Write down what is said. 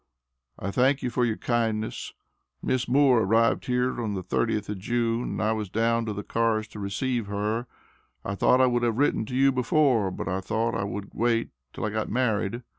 I thank you for your kindness. Miss Moore arrived here on the 30th of June and I was down to the cars to receive her. I thought I would have written to you before, but I thought I would wait till I got married.